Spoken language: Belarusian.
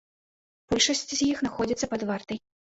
Большасць з іх знаходзіцца пад вартай.